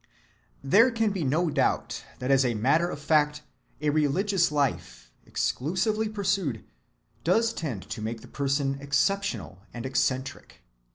There can be no doubt that as a matter of fact a religious life, exclusively pursued, does tend to make the person exceptional and eccentric.